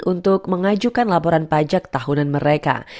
untuk mengajukan laporan pajak tahunan mereka